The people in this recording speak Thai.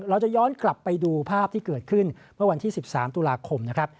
เราจะย้อนกลับไปดูภาพที่เกิดขึ้นเมื่อวันที่๑๓ตุลาคมนะครับ